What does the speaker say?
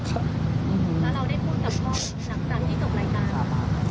แล้วเราได้พูดกับพ่อหนักรักที่ตกรายการหรือเปล่า